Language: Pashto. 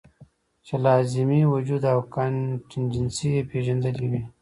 چې لازمي وجود او کانټينجنسي ئې پېژندلي وے -